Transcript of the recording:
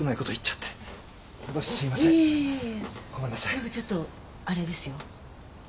何かちょっとあれですよ。